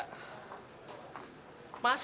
kamu mau bunuh raka